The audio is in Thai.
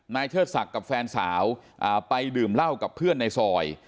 เชิดศักดิ์กับแฟนสาวไปดื่มเหล้ากับเพื่อนในซอย